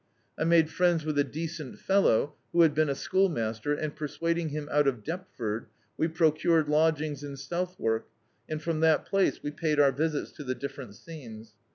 I made friends with a decent fellow, who had been a schoolmaster, and, persuading him out of Deptford, we procured lodgings in Southwark, and from that place we paid our visits to the different scenes.